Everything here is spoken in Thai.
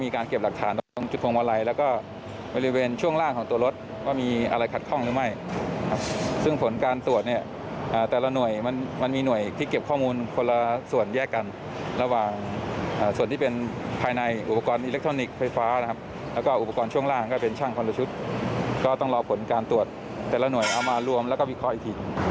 ก็ต้องรอผลการตรวจแต่ละหน่วยเอามารวมแล้วก็วิเคราะห์อีกที